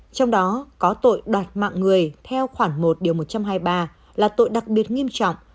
trong đó có tội đoạt mạng người theo khoản một một trăm hai mươi ba là tội đặc biệt nghiêm trọng